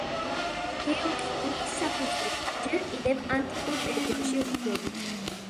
გეოქიმიის საფუძვლებს ჯერ კიდევ ანტიკურ პერიოდში ვხვდებით.